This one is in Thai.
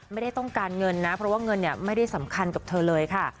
ไม่ได้ต้องการเงินนะเพราะว่าเงินไม่ได้สำคัญกับเธอเลยค่ะ